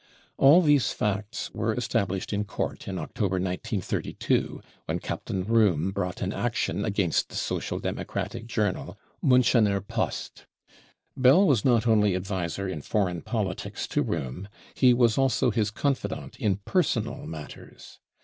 All these facts were established in court in October 1932, when Captain Rohm brought an action against the Social Demo cratic journal Miinchener Post Bell was not only adviser in foreign politics to Rohm ; he was also his confidant in personal matters.